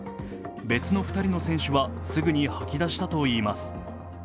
別の２人の選手はすぐに吐き出したといいます。